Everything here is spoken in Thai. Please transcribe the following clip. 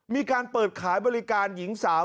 มีการเปิดขายบริการหญิงสาว